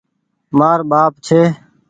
مآر ٻآپ ڇي۔